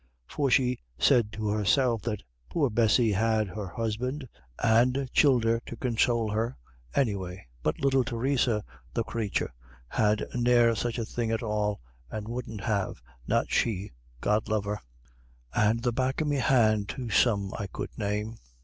For she said to herself that poor Bessy had her husband and childer to consowl her, any way, but little Theresa, the crathur, had ne'er such a thing at all, and wouldn't have, not she, God love her. "And the back of me hand to some I could name."